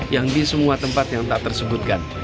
yang di semua tempat yang tak tersebutkan